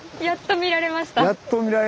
やっと見られましたね